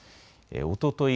おととい